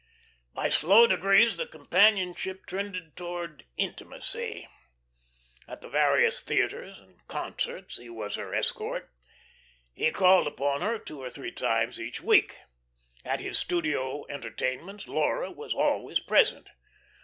By slow degrees the companionship trended toward intimacy. At the various theatres and concerts he was her escort. He called upon her two or three times each week. At his studio entertainments Laura was always present.